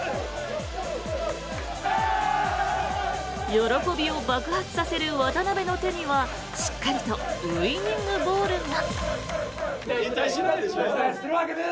喜びを爆発させる渡邊の手にはしっかりとウィニングボールが。